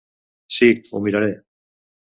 Sí, ho miraré.